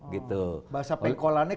gitu bahasa pengkolannya